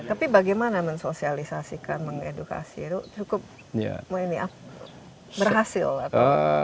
tapi bagaimana mensosialisasikan mengedukasi itu cukup berhasil atau